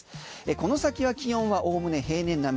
この先は気温はおおむね平年並み。